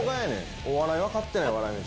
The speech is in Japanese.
お笑い分かってない、笑い飯。